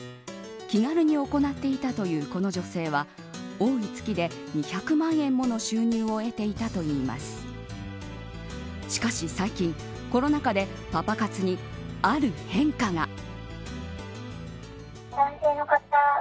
気軽に行っていたというこの女性は多い月で２００万円もの収入を得ていたといいますしかし最近コロナ禍でパパ活にある変化が。